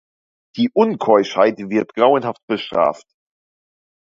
Die Unkeuschheit wird grauenhaft bestraft.